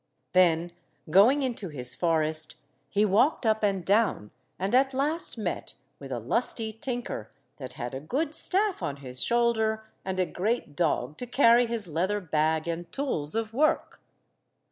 Then going into his forest, he walked up and down, and at last met with a lusty tinker that had a good staff on his shoulder, and a great dog to carry his leather bag and tools of work.